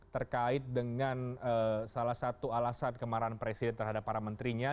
terkait dengan salah satu alasan kemarahan presiden terhadap para menterinya